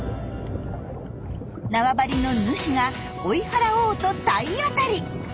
縄張りのヌシが追い払おうと体当たり。